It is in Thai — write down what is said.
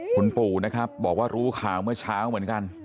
คุณปู่นะครับบอกว่ารู้ข่าวเมื่อเช้าเหมือนกัน